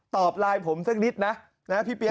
ตอบไลน์ผมสักนิดนะนะพี่เปี๊ยก